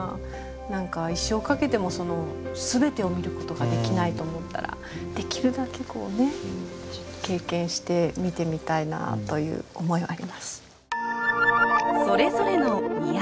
何か一生かけても全てを見ることができないと思ったらできるだけ経験して見てみたいなという思いはあります。